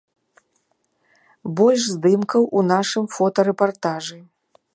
Больш здымкаў у нашым фотарэпартажы!